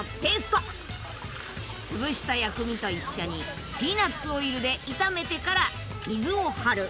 潰した薬味と一緒にピーナッツオイルで炒めてから水を張る。